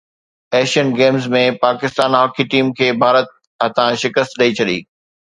Asian Games ۾ Pakistan hockey team کي ڀارت هٿان شڪست ڏئي ڇڏي